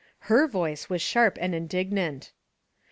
He7 voice was sharp and indignant.